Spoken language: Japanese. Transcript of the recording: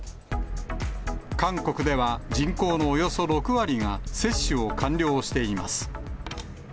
韓国では人口のおよそ６割が接種を完了しています。